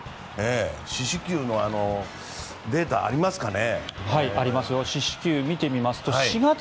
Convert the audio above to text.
四死球のデータありますかね？